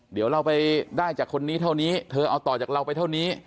เดี๋ยวเราไปได้จากคนนี้เท่านี้เธอเอาต่อจากเราไปเท่านี้